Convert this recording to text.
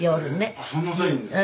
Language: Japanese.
あっそんな遅いんですか？